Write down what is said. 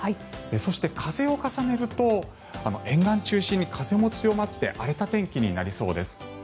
そして、風を重ねると沿岸中心に風も強まって荒れた天気になりそうです。